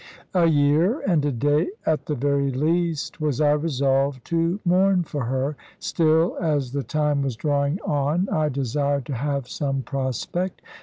A year and a day at the very least was I resolved to mourn for her: still, as the time was drawing on, I desired to have some prospect.